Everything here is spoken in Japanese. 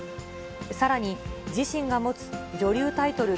さらに、自身が持つ女流タイトル